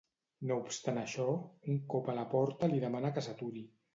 No obstant això, un cop a la porta li demana que s'aturi.